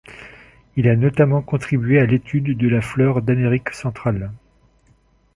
Il a notamment contribué à l'étude de la flore d'Amérique centrale.